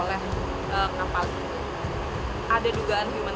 sehingga berhenti beloved by stress karena mereka bisa tersenyum lagi